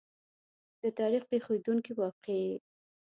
د تاریخ پېښېدونکې واقعې.